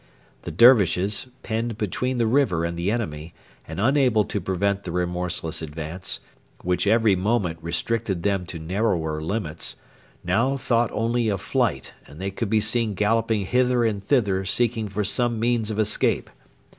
The Dervishes penned between the river and the enemy, and unable to prevent the remorseless advance, which every moment restricted them to narrower limits now thought only of flight, and they could be seen galloping hither and thither seeking for some means of escape.